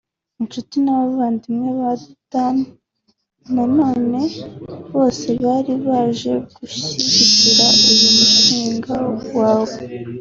inshuti n’abavandimwe ba Dany Nanone bose bari baje gushyigikira uyu mushinga we